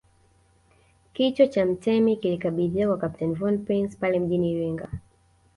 Kichwa cha mtemi kilikabidhiwa kwa Kapteni von Prince pale mjini Iringa